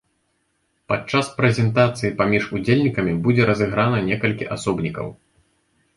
Падчас прэзентацыі паміж удзельнікамі будзе разыграна некалькі асобнікаў!